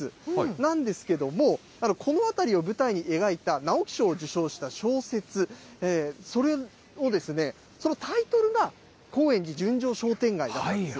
なんですけども、この辺りを舞台に描いた、直木賞を受賞した小説、それを、そのタイトルが、高円寺純情商店街だったんですよ。